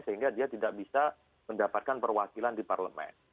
sehingga dia tidak bisa mendapatkan perwakilan di parlemen